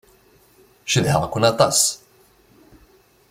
Cedhaɣ-ken aṭas.